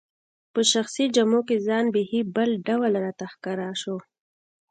په شخصي جامو کي ځان بیخي بل ډول راته ښکاره شو.